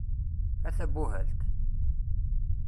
A tabuhalt!